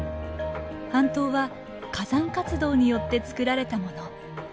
半島は火山活動によってつくられたもの。